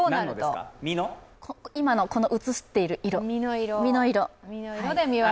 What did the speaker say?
今のこの映っている実の色。